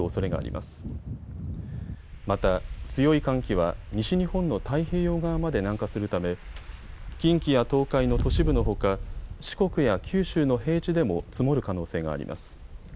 また強い寒気は西日本の太平洋側まで南下するため近畿や東海の都市部のほか、四国や九州の平地でも積もる可能性があります。